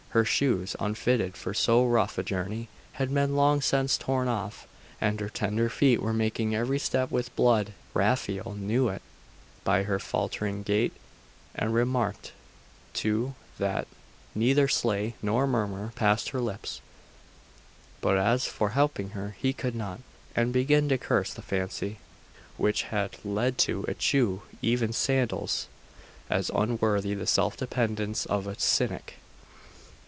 Her shoes, unfitted for so rough a journey, bad been long since torn off, and her tender feet were marking every step with blood. Raphael knew it by her faltering gait; and remarked, too, that neither sigh nor murmur passed her lips. But as for helping her, he could not; and began to curse the fancy which had led to eschew even sandals as unworthy the self dependence of a Cynic.